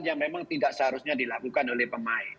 yang memang tidak seharusnya dilakukan oleh pemain